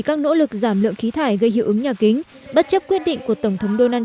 các nỗ lực giảm lượng khí thải gây hiệu ứng nhà kính bất chấp quyết định của tổng thống donald trump